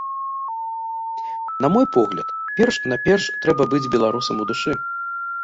На мой погляд, перш-наперш трэба быць беларусам у душы.